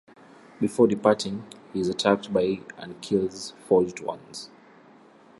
Before departing, he is attacked by and kills Forged Ones.